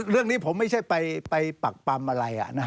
เรื่องนี้ผมไม่ใช่ไปปักปำอะไร